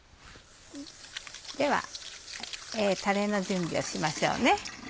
ではたれの準備をしましょう。